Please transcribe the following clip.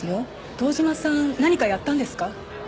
堂島さん何かやったんですか？